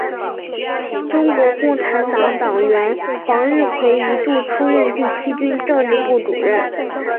中国共产党党员黄日葵一度出任第七军政治部主任。